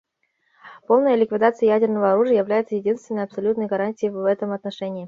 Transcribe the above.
Полная ликвидация ядерного оружия является единственной абсолютной гарантией в этом отношении.